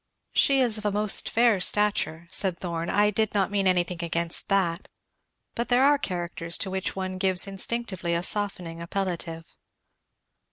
"She is of a most fair stature," said Thorn; "I did not mean anything against that, but there are characters to which one gives instinctively a softening appellative."